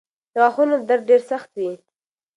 د غاښونو درد ډېر سخت وي.